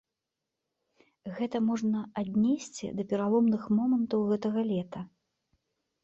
Гэта можна аднесці да пераломных момантаў гэтага лета.